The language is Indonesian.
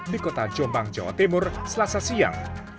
di kota jombang jawa timur selasa siang